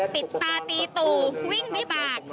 ปิดตาตีตู่วิ่งมิบาท